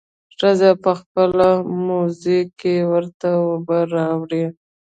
ښځه په خپله موزه کښې ورته اوبه راوړي.